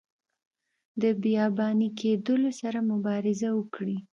د بیاباني کیدلو سره مبارزه وکړي.